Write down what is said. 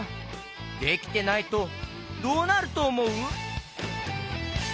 できてないとどうなるとおもう？